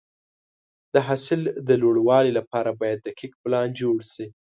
د حاصل د لوړوالي لپاره باید دقیق پلان جوړ شي.